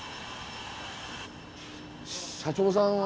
社長さんは？